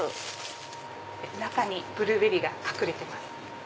中にブルーベリーが隠れてます。